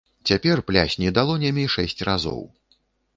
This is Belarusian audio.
Цяпер плясні далонямі шэсць разоў.